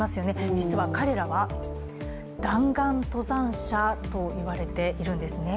実は彼らは、弾丸登山者と言われているんですね。